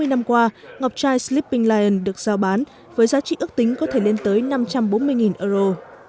hai trăm bốn mươi năm qua ngọc trai sleeping lion được giao bán với giá trị ước tính có thể lên tới năm trăm bốn mươi euro